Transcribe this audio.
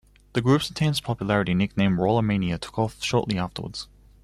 The group's intense popularity, nicknamed "Rollermania", took off shortly afterwards.